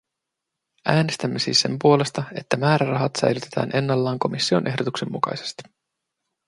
Äänestämme siis sen puolesta, että määrärahat säilytetään ennallaan komission ehdotuksen mukaisesti.